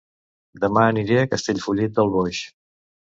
Dema aniré a Castellfollit del Boix